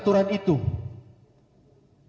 itu menjadi aturan itu